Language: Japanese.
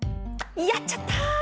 やっちゃった。